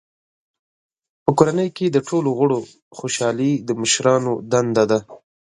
په کورنۍ کې د ټولو غړو خوشحالي د مشرانو دنده ده.